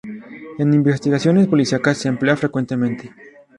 En investigaciones policíacas se emplea frecuentemente.